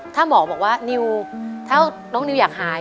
ถ้าหมอบอกว่านิวถ้าน้องนิวอยากหาย